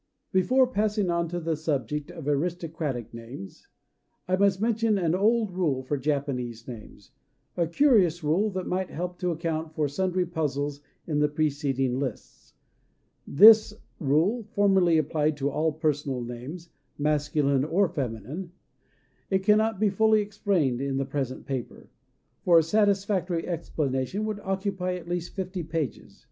Before passing on to the subject of aristocratic names, I must mention an old rule for Japanese names, a curious rule that might help to account for sundry puzzles in the preceding lists. This rule formerly applied to all personal names, masculine or feminine. It cannot be fully explained in the present paper; for a satisfactory explanation would occupy at least fifty pages.